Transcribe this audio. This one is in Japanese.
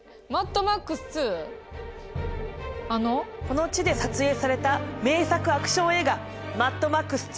この地で撮影された名作アクション映画「マッド・マックス２」。